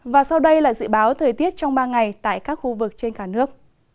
và sau đây là dự báo thời tiết trong ba ngày tại các khu vực trên cả nước